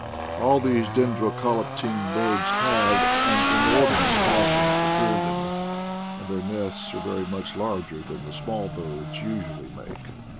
10 IDLE DAYS IN PATAGONIA All these Dendrocolaptine birds have an inordi nate passion for building, and their nests are very much larger than small birds usually make.